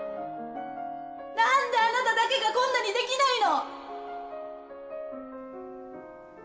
なんであなただけがこんなにできないの！？